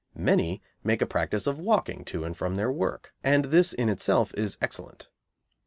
Many make a practice of walking to and from their work, and this in itself is excellent.